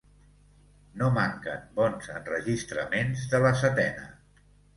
No manquen bons enregistraments de la setena.